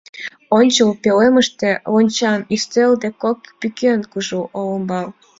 Ончыл пӧлемыште лончан ӱстел ден кок пӱкен, кужу олымбал.